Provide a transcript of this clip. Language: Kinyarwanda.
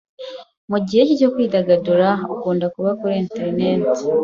Mu gihe cye cyo kwidagadura, akunda kuba kuri interineti.